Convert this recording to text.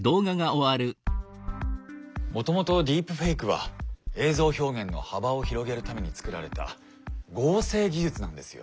もともとディープフェイクは映像表現の幅を広げるためにつくられた合成技術なんですよ。